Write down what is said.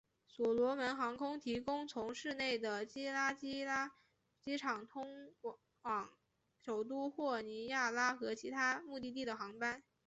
所罗门航空提供从市内的基拉基拉机场前往首都霍尼亚拉和其他目的地的航班。